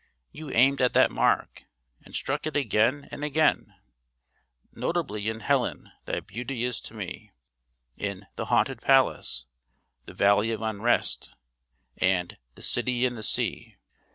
You aimed at that mark, and struck it again and again, notably in 'Helen, thy beauty is to me,' in 'The Haunted Palace,' 'The Valley of Unrest,' and 'The City in the Sea.'